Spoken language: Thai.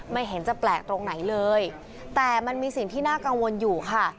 ไม่เห็นจะแปลกตรงไหนเลยแต่มันมีสิ่งที่น่ากังวลอยู่ค่ะ